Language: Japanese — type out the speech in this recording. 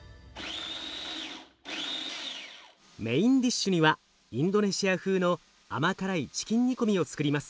メインディッシュにはインドネシア風の甘辛いチキン煮込みをつくります。